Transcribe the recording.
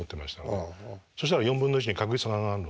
そしたら４分の１に確率が上がるので。